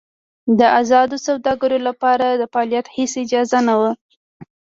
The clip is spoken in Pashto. د ازادو سوداګرو لپاره د فعالیت هېڅ اجازه نه وه.